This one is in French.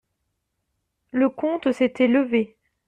Le comte s'était levé.